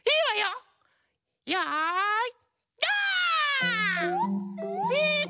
よい。